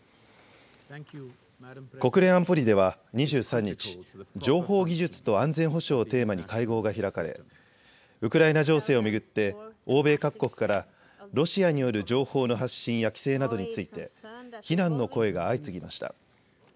国連安保理では２３日、情報技術と安全保障をテーマに会合が開かれウクライナ情勢を巡って欧米各国からロシアによる情報の発信や規制などについて非難の声が相次ぎました。